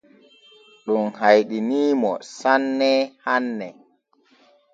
Ɗum hayɗinii mo sanne hanne.